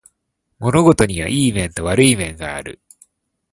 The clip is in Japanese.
物事にはいい面と悪い面がある